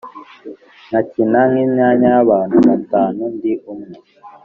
nkakina nk'imyanya y’abantu batanu ndi umwe,